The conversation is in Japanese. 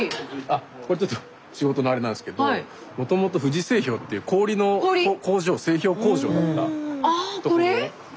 あっこれちょっと仕事のあれなんですけどもともと富士製氷っていう氷の工場あこれ？